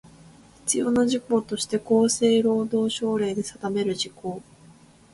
必要な事項として厚生労働省令で定める事項